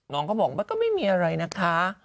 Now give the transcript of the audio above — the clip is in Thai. น้องก็บอกว่าก็ไม่มีอะไรนะคะ